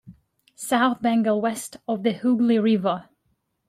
South Bengal west of the Hugli river.